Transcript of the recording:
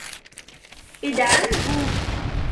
أدعمه.